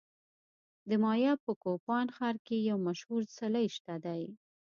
د مایا په کوپان ښار کې یو مشهور څلی شته دی